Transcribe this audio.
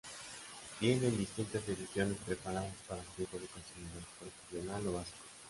Viene en distintas ediciones preparadas para su uso de consumidor, profesional o básico.